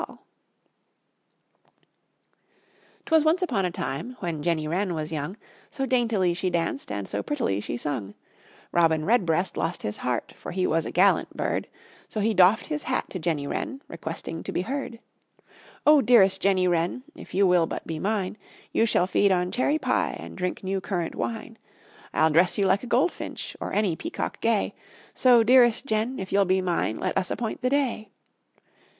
'Twas once upon a time, when Jenny Wren was young, So daintily she danced and so prettily she sung, Robin Redbreast lost his heart, for he was a gallant bird, So he doffed his hat to Jenny Wren, requesting to be heard. "O, dearest Jenny Wren, if you will but be mine, You shall feed on cherry pie and drink new currant wine, I'll dress you like a goldfinch or any peacock gay, So, dearest Jen, if you'll be mine let us appoint the day."